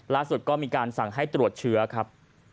ล่าสุดก็มีการสั่งให้ตรวจเชื้อครับ